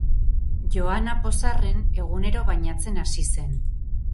Joana, pozarren, egunero bainatzen hasi zen.